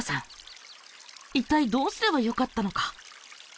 いったいどうすればよかったのか？